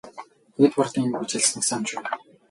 Эдвардын юу гэж хэлснийг санаж байна уу?